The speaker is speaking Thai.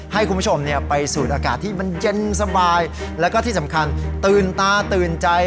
ให้คุณผู้ชมไปสูดอากาศที่มันเย็นสบายแล้วก็ที่สำคัญตื่นตาตื่นใจ